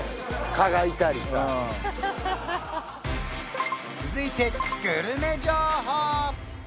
蚊がいたりさ続いてグルメ情報！